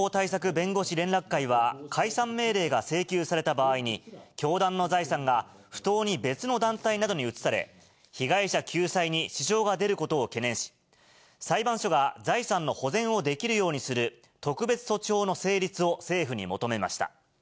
弁護士連絡会は、解散命令が請求された場合に、教団の財産が不当に別の団体などに移され、被害者救済に支障が出ることを懸念し、裁判所が財産の保全をできるようにする特別措置法の成立を政府に求めました。